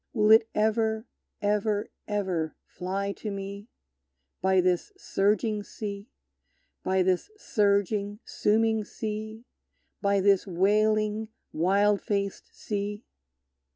Will it ever, ever, ever fly to me, By this surging sea, By this surging, sooming sea, By this wailing, wild faced sea?